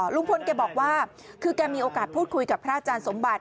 ลุงพลแกบอกว่าคือแกมีโอกาสพูดคุยกับพระอาจารย์สมบัติ